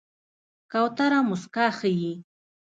کوتره موسکا ښيي.